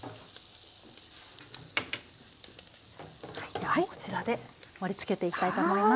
ではこちらで盛りつけていきたいと思います。